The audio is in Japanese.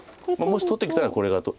もし取ってきたらこれが。